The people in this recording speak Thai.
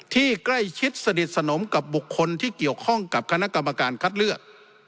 ที่ใกล้ชิดสนิทสนมกับบุคคลที่เกี่ยวข้องกับคณะกรรมการคัดเลือก